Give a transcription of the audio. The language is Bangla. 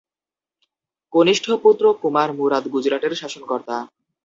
কনিষ্ঠ পুত্র কুমার মুরাদ গুজরাটের শাসনকর্তা।